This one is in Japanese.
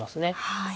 はい。